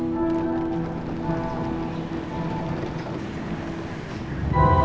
lo udah ngerti kan